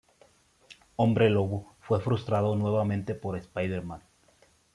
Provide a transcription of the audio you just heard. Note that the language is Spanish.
Hombre Lobo fue frustrado nuevamente por Spider-Man.